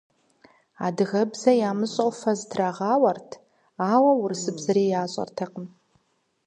Адыгэбзэ ямыщӏэу фэ зытрагъауэрт, ауэ урысыбзэри ящӏэртэкъым.